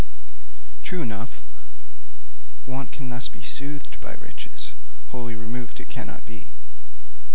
True enough; want can thus be soothed by riches, wholly removed it cannot be.